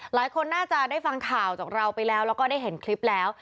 หลายคนน่าจะได้ฟังข่าวจากเราไปแล้วแล้วก็ได้เห็นคลิปแล้ว